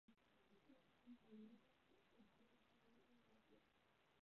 并邀请好莱坞技术团队参与特效制作。